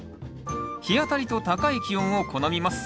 日当たりと高い気温を好みます。